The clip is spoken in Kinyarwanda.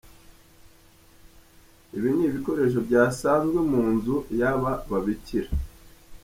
Ibi ni ibikoresho byasanzwe mu nzu y’aba babikira.